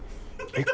えっ？